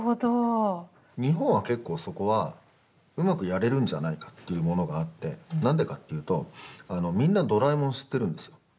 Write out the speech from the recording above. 日本は結構そこはうまくやれるんじゃないかというものがあってなんでかっていうとみんな「ドラえもん」知ってるんですよ。